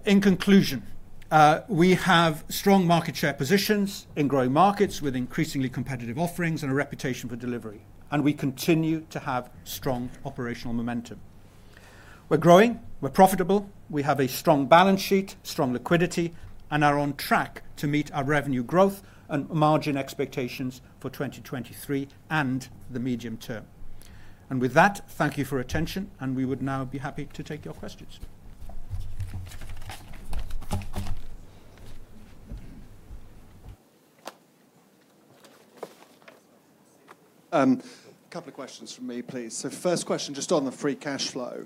In conclusion, we have strong market share positions in growing markets with increasingly competitive offerings and a reputation for delivery, and we continue to have strong operational momentum. We're growing, we're profitable, we have a strong balance sheet, strong liquidity, and are on track to meet our revenue growth and margin expectations for 2023 and the medium term. With that, thank you for your attention, and we would now be happy to take your questions. A couple of questions from me, please. First question, just on the free cash flow.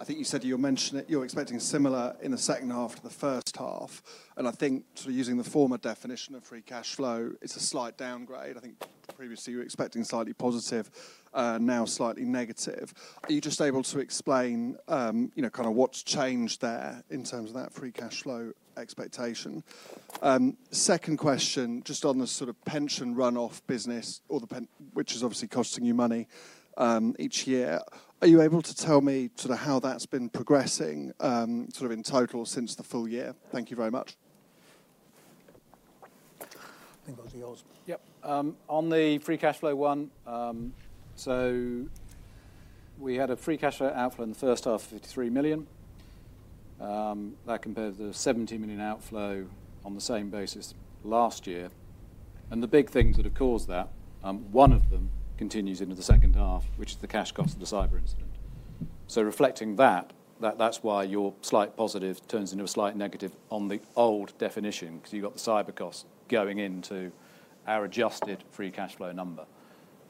I think you said you're expecting similar in the second half to the first half, and I think sort of using the former definition of free cash flow, it's a slight downgrade. I think previously you were expecting slightly positive, now slightly negative. Are you just able to explain, you know, kind of what's changed there in terms of that free cash flow expectation? Second question, just on the sort of pension run-off business or the pen... which is obviously costing you money, each year, are you able to tell me sort of how that's been progressing, sort of in total since the full year? Thank you very much. I think that's yours. Yep. On the free cash flow one, we had a free cash flow outflow in the first half of 53 million. That compares to the 70 million outflow on the same basis last year. The big things that have caused that, one of them continues into the second half, which is the cash cost of the cyber incident. Reflecting that, that's why your slight positive turns into a slight negative on the old definition, because you've got the cyber cost going into our adjusted free cash flow number.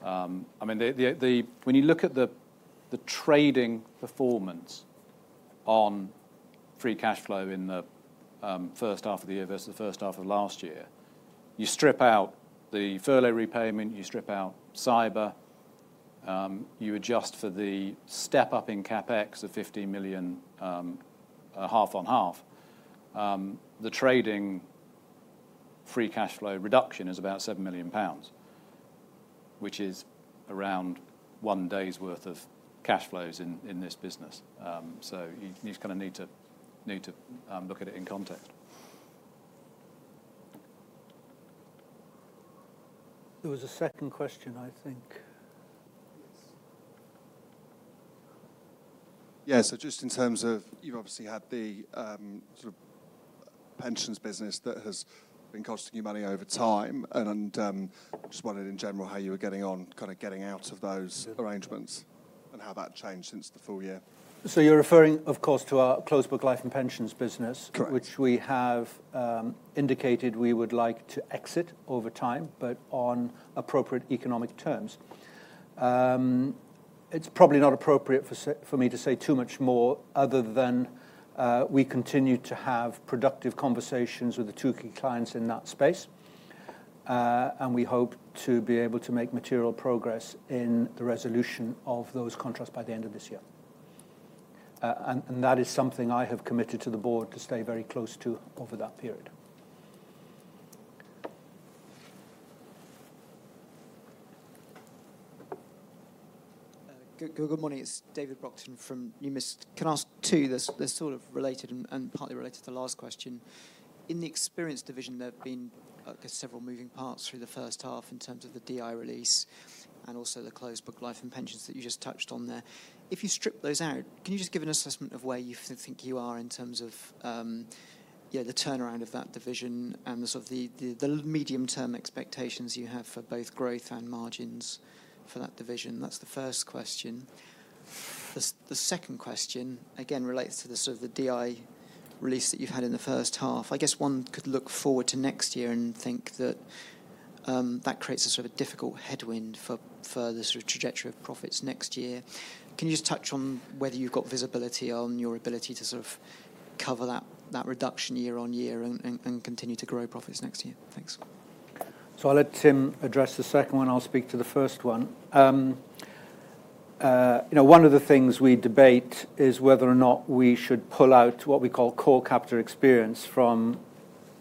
I mean, when you look at trading performance on free cash flow in the first half of the year versus the first half of last year. You strip out the furlough repayment, you strip out cyber, you adjust for the step-up in CapEx of 50 million, half on half. The trading free cash flow reduction is about 7 million pounds, which is around one day's worth of cash flows in this business. You just kinda need to, need to, look at it in context. There was a second question, I think. Yes. Yeah, just in terms of you've obviously had the, sort of pensions business that has been costing you money over time and, just wondered in general how you were getting on, kinda getting out of those arrangements and how that changed since the full year? You're referring, of course, to our closed book Life & Pensions business. Correct... which we have indicated we would like to exit over time, but on appropriate economic terms. It's probably not appropriate for me to say too much more, other than we continue to have productive conversations with the two key clients in that space. We hope to be able to make material progress in the resolution of those contracts by the end of this year. That is something I have committed to the board to stay very close to over that period. Good morning. It's David Brockton from Numis. Can I ask, too, they're, they're sort of related and, and partly related to the last question. In the Experience division, there have been several moving parts through the first half in terms of the DI release and also the closed book Life & Pensions that you just touched on there. If you strip those out, can you just give an assessment of where you think you are in terms of, yeah, the turnaround of that division and the sort of the, the, the medium-term expectations you have for both growth and margins for that division? That's the first question. The second question, again, relates to the sort of the DI release that you've had in the first half. I guess one could look forward to next year and think that that creates a sort of difficult headwind for, for the sort of trajectory of profits next year. Can you just touch on whether you've got visibility on your ability to sort of cover that, that reduction year on year and, and, and continue to grow profits next year? Thanks. I'll let Tim address the second one. I'll speak to the first one. you know, one of the things we debate is whether or not we should pull out what we call core Capita Experience from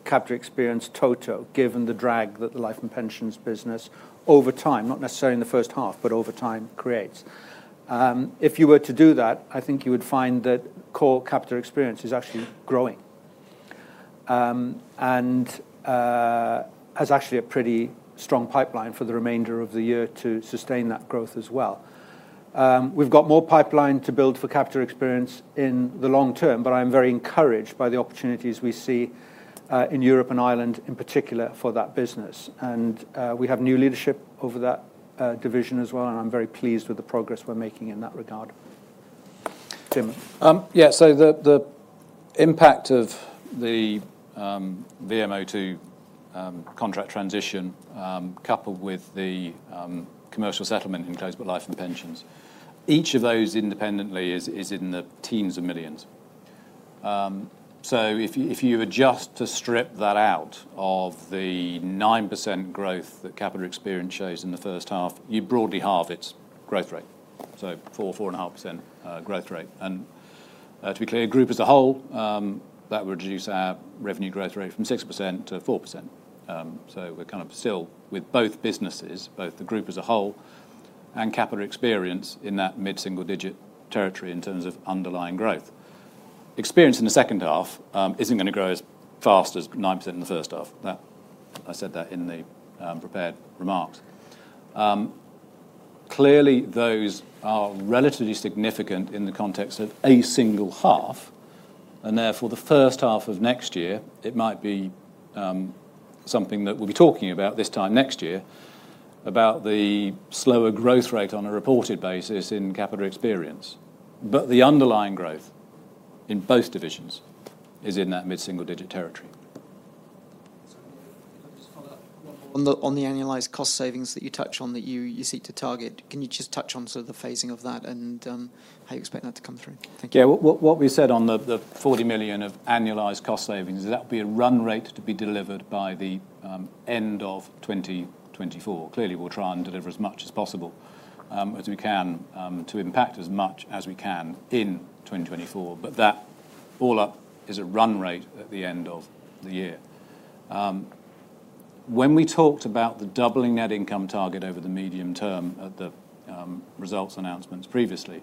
Capita Experience total, given the drag that the life and pensions business over time, not necessarily in the first half, but over time, creates. If you were to do that, I think you would find that core Capita Experience is actually growing, and has actually a pretty strong pipeline for the remainder of the year to sustain that growth as well. We've got more pipeline to build for Capita Experience in the long term, but I'm very encouraged by the opportunities we see in Europe and Ireland, in particular, for that business. We have new leadership over that division as well, and I'm very pleased with the progress we're making in that regard. Tim? Yeah, the, the impact of the VMO2 contract transition, coupled with the commercial settlement in closed book Life & Pensions, each of those independently is in the GBP tens of millions. If you were just to strip that out of the 9% growth that Capita Experience shows in the first half, you broadly halve its growth rate, so 4-4.5% growth rate. To be clear, group as a whole, that would reduce our revenue growth rate from 6% to 4%. We're kind of still with both businesses, both the group as a whole and Capita Experience, in that mid-single digit territory in terms of underlying growth. Experience in the second half isn't gonna grow as fast as 9% in the first half. That. I said that in the prepared remarks. Clearly, those are relatively significant in the context of a single half, and therefore, the first half of next year, it might be something that we'll be talking about this time next year, about the slower growth rate on a reported basis in Capita Experience. The underlying growth in both divisions is in that mid-single digit territory. Just to follow up. On the, on the annualized cost savings that you touched on, that you, you seek to target, can you just touch on sort of the phasing of that and how you expect that to come through? Thank you. Yeah. What, what, what we said on the, the 40 million of annualized cost savings is that will be a run rate to be delivered by the end of 2024. Clearly, we'll try and deliver as much as possible as we can to impact as much as we can in 2024, but that all up is a run rate at the end of the year. When we talked about the doubling net income target over the medium term at the results announcements previously,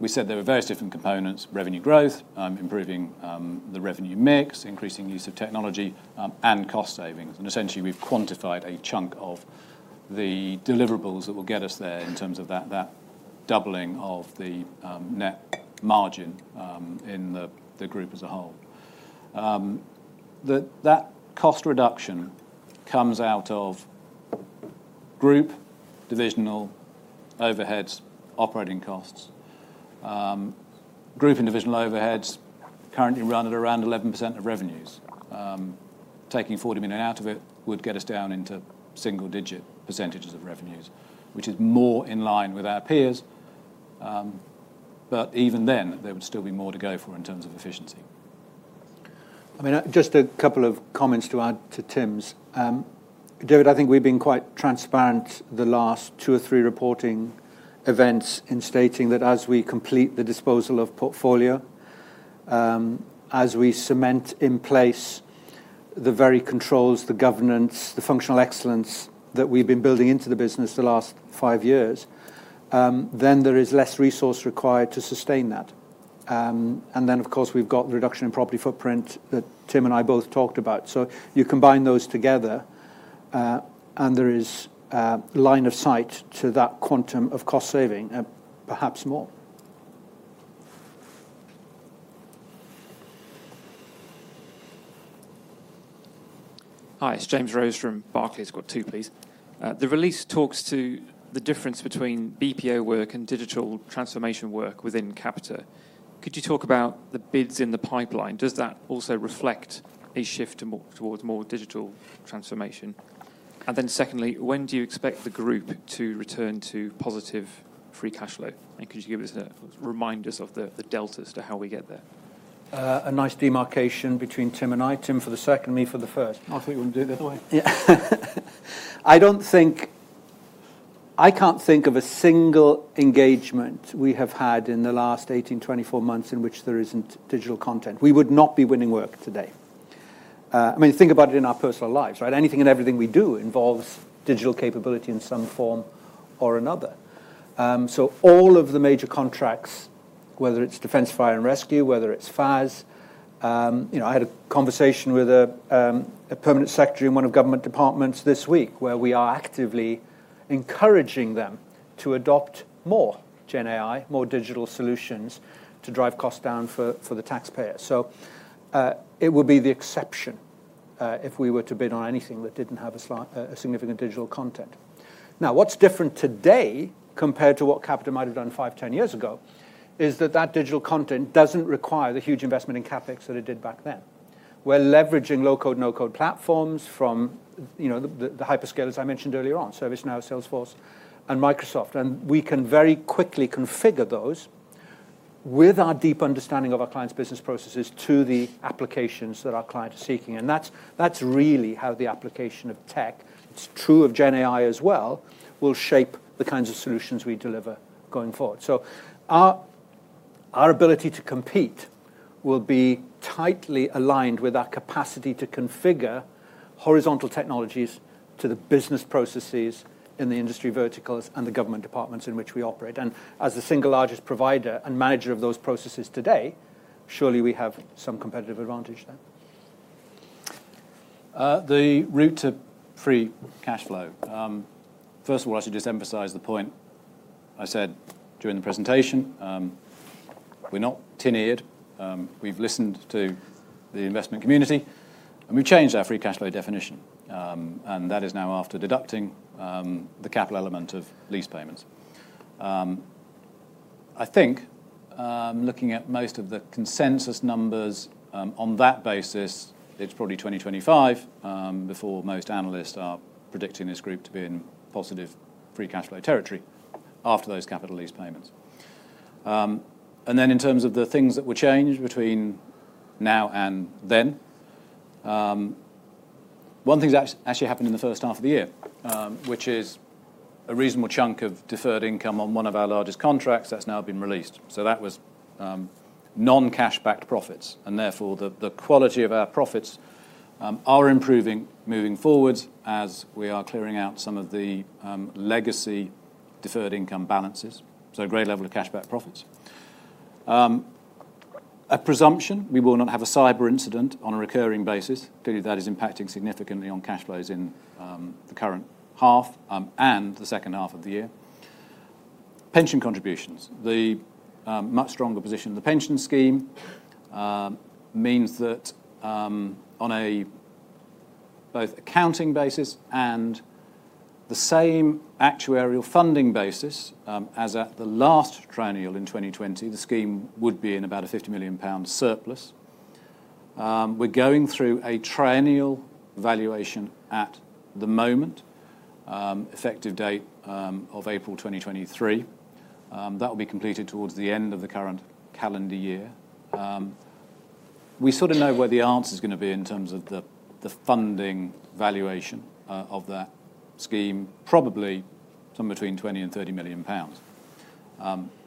we said there were various different components: revenue growth, improving the revenue mix, increasing use of technology, and cost savings. Essentially, we've quantified a chunk of the deliverables that will get us there in terms of that, that doubling of the net margin in the group as a whole. That cost reduction comes out of group divisional overheads, operating costs. Group and divisional overheads currently run at around 11% of revenues. Taking 40 million out of it would get us down into single-digit % of revenues, which is more in line with our peers. Even then, there would still be more to go for in terms of efficiency. I mean, just a couple of comments to add to Tim's. David, I think we've been quite transparent the last two or three reporting events in stating that as we complete the disposal of Portfolio, as we cement in place the very controls, the governance, the functional excellence that we've been building into the business the last five years, then there is less resource required to sustain that. Of course, we've got the reduction in property footprint that Tim and I both talked about. You combine those together, and there is a line of sight to that quantum of cost saving and perhaps more. Hi, it's James Rose from Barclays. Got 2, please. The release talks to the difference between BPO work and digital transformation work within Capita. Could you talk about the bids in the pipeline? Does that also reflect a shift towards more digital transformation? Secondly, when do you expect the group to return to positive free cash flow? Could you remind us of the, the deltas to how we get there? A nice demarcation between Tim and I. Tim, for the second, me for the first. I thought you were gonna do it the other way. Yeah. I don't think, I can't think of a single engagement we have had in the last 18, 24 months in which there isn't digital content. We would not be winning work today. I mean, think about it in our personal lives, right? Anything and everything we do involves digital capability in some form or another. All of the major contracts, whether it's Defence Fire and Rescue, whether it's FAS. You know, I had a conversation with a permanent secretary in one of government departments this week, where we are actively encouraging them to adopt more Gen AI, more digital solutions, to drive costs down for, for the taxpayer. It would be the exception, if we were to bid on anything that didn't have a slight, significant digital content. Now, what's different today compared to what Capita might have done 5, 10 years ago, is that that digital content doesn't require the huge investment in CapEx that it did back then. We're leveraging low-code, no-code platforms from, you know, the, the hyperscalers, as I mentioned earlier on, ServiceNow, Salesforce, and Microsoft. We can very quickly configure those with our deep understanding of our clients' business processes to the applications that our clients are seeking. That's, that's really how the application of tech, it's true of gen AI as well, will shape the kinds of solutions we deliver going forward. Our, our ability to compete will be tightly aligned with our capacity to configure horizontal technologies to the business processes in the industry verticals and the government departments in which we operate. As the single largest provider and manager of those processes today, surely we have some competitive advantage there. The route to free cash flow. First of all, I should just emphasize the point I said during the presentation. We're not tin-eared. We've listened to the investment community, we've changed our free cash flow definition. That is now after deducting the capital element of lease payments. I think, looking at most of the consensus numbers, on that basis, it's probably 2025 before most analysts are predicting this group to be in positive free cash flow territory after those capital lease payments. Then in terms of the things that will change between now and then, one thing's actually happened in the first half of the year, which is a reasonable chunk of deferred income on one of our largest contracts that's now been released. That was non-cash-backed profits, and therefore, the quality of our profits are improving moving forward as we are clearing out some of the legacy deferred income balances, so a great level of cash-back profits. A presumption, we will not have a cyber incident on a recurring basis. Clearly, that is impacting significantly on cash flows in the current half and the second half of the year. Pension contributions. The much stronger position of the pension scheme means that on a both accounting basis and the same actuarial funding basis, as at the last triennial in 2020, the scheme would be in about a 50 million pound surplus. We're going through a triennial valuation at the moment, effective date of April 2023. That will be completed towards the end of the current calendar year. We sort of know where the answer is gonna be in terms of the, the funding valuation, of that scheme, probably somewhere between 20 million-30 million pounds.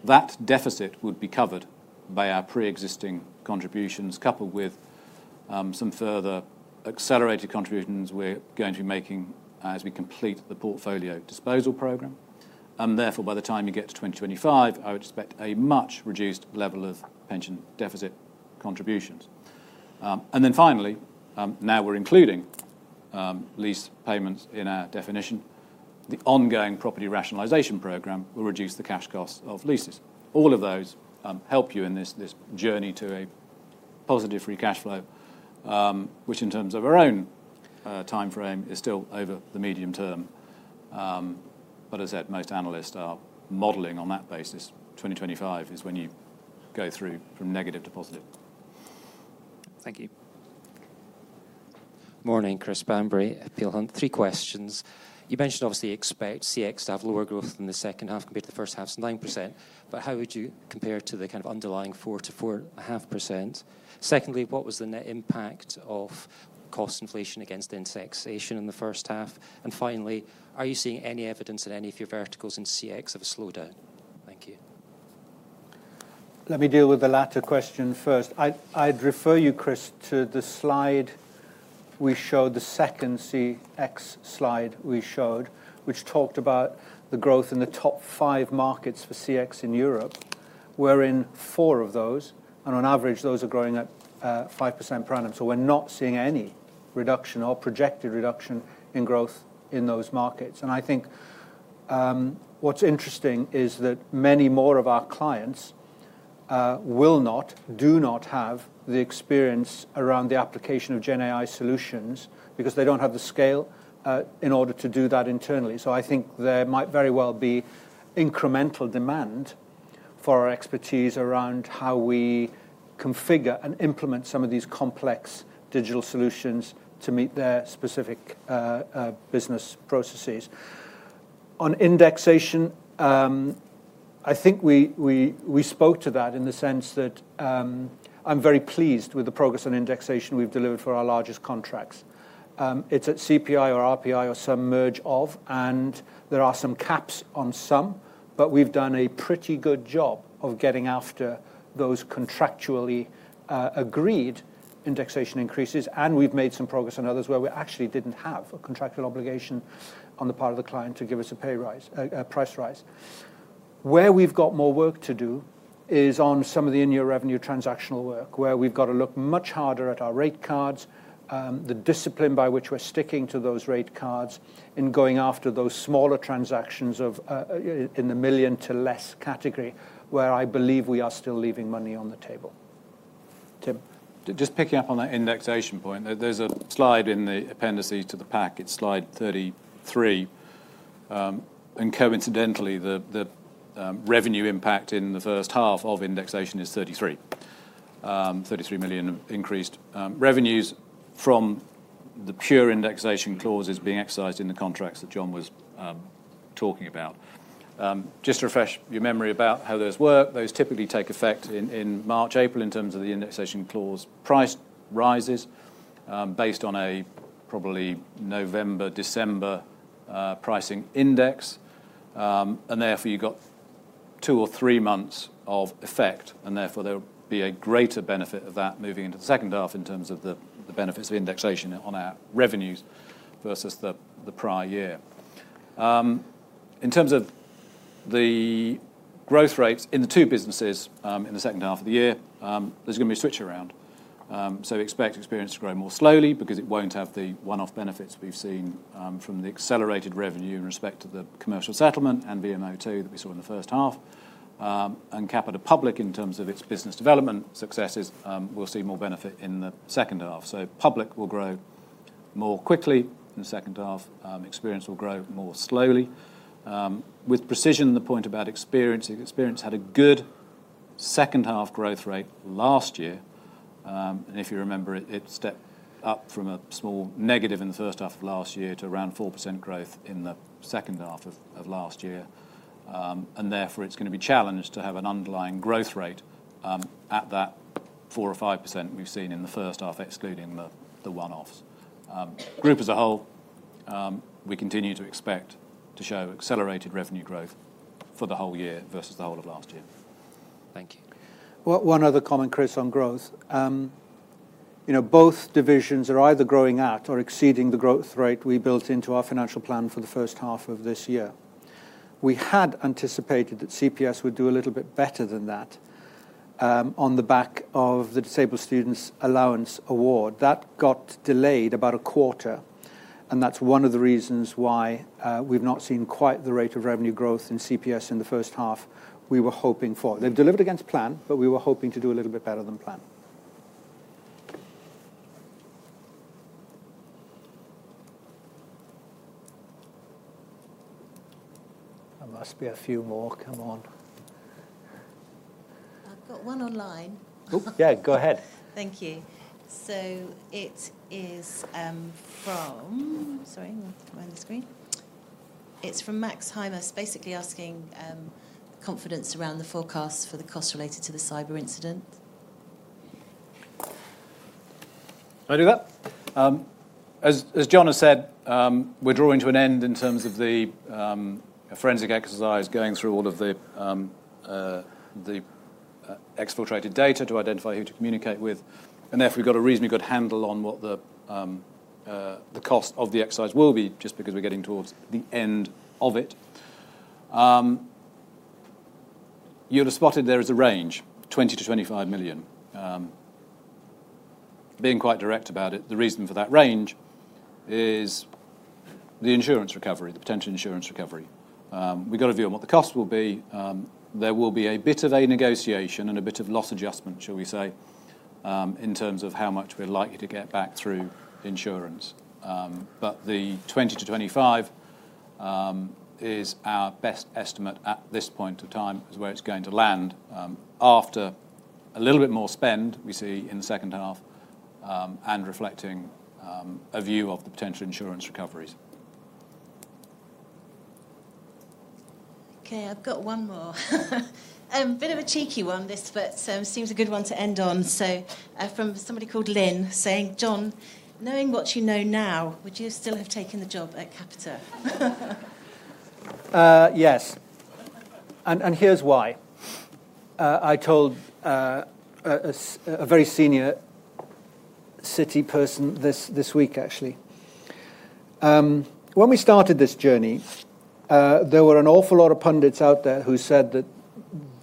That deficit would be covered by our pre-existing contributions, coupled with, some further accelerated contributions we're going to be making as we complete the portfolio disposal program. Therefore, by the time you get to 2025, I would expect a much reduced level of pension deficit contributions. Finally, now we're including lease payments in our definition. The ongoing property rationalization program will reduce the cash costs of leases. All of those, help you in this, this journey to a positive free cash flow, which, in terms of our own, time frame, is still over the medium term. As I said, most analysts are modeling on that basis. 2025 is when you go through from negative to positive. Thank you. Morning, Chris Bamberry at Peel Hunt. Three questions. You mentioned, obviously, expect CX to have lower growth in the second half compared to the first half, so 9%. How would you compare to the kind of underlying 4%-4.5%? Secondly, what was the net impact of cost inflation against indexation in the first half? Finally, are you seeing any evidence in any of your verticals in CX of a slowdown? Thank you. Let me deal with the latter question first. I'd refer you, Chris, to the slide we showed, the second CX slide we showed, which talked about the growth in the top five markets for CX in Europe. We're in four of those, and on average, those are growing at 5% per annum. So we're not seeing any reduction or projected reduction in growth in those markets. And I think what's interesting is that many more of our clients will not, do not have the experience around the application of Gen AI solutions because they don't have the scale in order to do that internally. So I think there might very well be incremental demand for our expertise around how we configure and implement some of these complex digital solutions to meet their specific business processes. On indexation, I think we spoke to that in the sense that, I'm very pleased with the progress on indexation we've delivered for our largest contracts. It's at CPI or RPI or some merge of, and there are some caps on some, but we've done a pretty good job of getting after those contractually agreed indexation increases. We've made some progress on others where we actually didn't have a contractual obligation on the part of the client to give us a pay rise-- a price rise. Where we've got more work to do is on some of the in-year revenue transactional work, where we've got to look much harder at our rate cards, the discipline by which we're sticking to those rate cards in going after those smaller transactions of in the 1 million to less category, where I believe we are still leaving money on the table. Tim? Just picking up on that indexation point, there, there's a slide in the appendices to the pack. It's slide 33. Coincidentally, the, the revenue impact in the first half of indexation is 33 million. 33 million increased revenues from the pure indexation clauses being excised in the contracts that John was talking about. Just to refresh your memory about how those work, those typically take effect in March, April, in terms of the indexation clause. Price rises, based on a probably November, December, pricing index, and therefore, you've got 2 or 3 months of effect, and therefore, there will be a greater benefit of that moving into the second half in terms of the, the benefits of indexation on our revenues versus the, the prior year. In terms of the growth rates in the 2 businesses, in the second half of the year, there's gonna be a switch around. Expect experience to grow more slowly because it won't have the one-off benefits we've seen, from the accelerated revenue in respect to the commercial settlement and VMO2 that we saw in the first half. Capita Public, in terms of its business development successes, will see more benefit in the second half. Public will grow more quickly in the second half. Experience will grow more slowly. With precision, the point about Experience, Experience had a good second-half growth rate last year. If you remember, it, it stepped up from a small negative in the first half of last year to around 4% growth in the second half of, of last year. Therefore, it's gonna be challenged to have an underlying growth rate, at that 4% or 5% we've seen in the first half, excluding the, the one-offs. Group as a whole, we continue to expect to show accelerated revenue growth for the whole year versus the whole of last year. Thank you. One other comment, Chris, on growth. You know, both divisions are either growing at or exceeding the growth rate we built into our financial plan for the first half of this year. We had anticipated that CPS would do a little bit better than that, on the back of the Disabled Students' Allowance award. That got delayed about a quarter, and that's one of the reasons why, we've not seen quite the rate of revenue growth in CPS in the first half we were hoping for. They've delivered against plan, but we were hoping to do a little bit better than plan. There must be a few more. Come on. I've got one online. Oh, yeah, go ahead. Thank you. It is from... Sorry, I'm looking behind the screen. It's from Max Herrmann basically asking confidence around the forecast for the cost related to the cyber incident. Can I do that? As, as John has said, we're drawing to an end in terms of the forensic exercise, going through all of the exfiltrated data to identify who to communicate with. Therefore, we've got a reasonably good handle on what the cost of the exercise will be just because we're getting towards the end of it. You'll have spotted there is a range, 20 million-25 million. Being quite direct about it, the reason for that range is the insurance recovery, the potential insurance recovery. We've got a view on what the cost will be. There will be a bit of a negotiation and a bit of loss adjustment, shall we say, in terms of how much we're likely to get back through insurance. The 20 million-25 million-... is our best estimate at this point in time is where it's going to land, after a little bit more spend we see in the second half, and reflecting, a view of the potential insurance recoveries. Okay, I've got one more. A bit of a cheeky one, this, but, seems a good one to end on. From somebody called Lynn saying, "John, knowing what you know now, would you still have taken the job at Capita? Yes, and here's why. I told a very senior city person this, this week, actually. When we started this journey, there were an awful lot of pundits out there who said that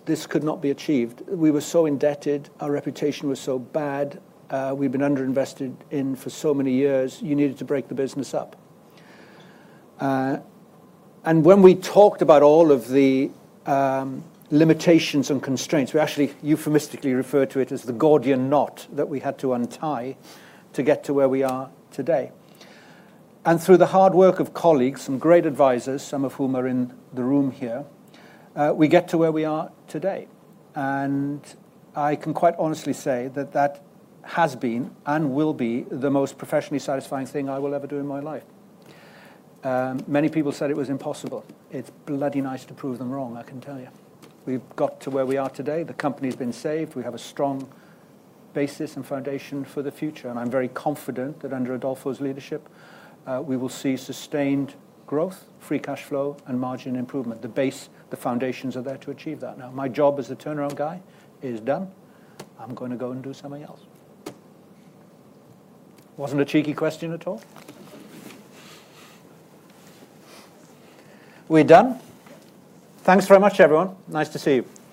this could not be achieved. We were so indebted, our reputation was so bad, we've been under-invested in for so many years. You needed to break the business up. When we talked about all of the limitations and constraints, we actually euphemistically referred to it as the Gordian knot that we had to untie to get to where we are today. Through the hard work of colleagues, some great advisors, some of whom are in the room here, we get to where we are today, and I can quite honestly say that that has been and will be the most professionally satisfying thing I will ever do in my life. Many people said it was impossible. It's bloody nice to prove them wrong, I can tell you. We've got to where we are today. The company's been saved. We have a strong basis and foundation for the future, and I'm very confident that under Adolfo's leadership, we will see sustained growth, free cash flow, and margin improvement. The base, the foundations are there to achieve that. Now, my job as a turnaround guy is done. I'm gonna go and do something else. Wasn't a cheeky question at all? We're done. Thanks very much, everyone. Nice to see you. Thank you.